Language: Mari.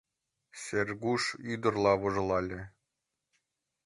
— Сергуш ӱдырла вожылале.